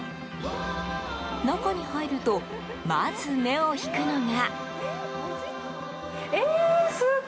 中に入るとまず目を引くのが。